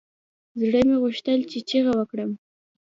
زړه مې غوښتل چې چيغه وکړم.